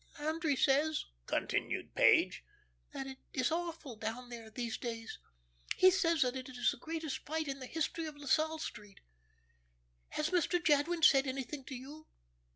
"Landry says," continued Page, "that it is awful down there, these days. He says that it is the greatest fight in the history of La Salle Street. Has Mr. Jadwin, said anything to you?